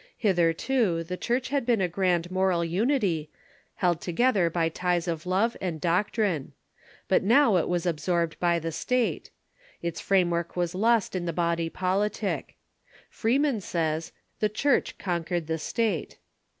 Hitherto the Church had been a grand moral unity, held together by ties of love and doc trine. But now it was absorbed by the State. Its framework was lost in the body politic. Freeman says: "The Church conquered the State."